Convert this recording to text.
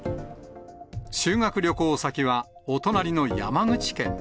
修学旅行先はお隣の山口県。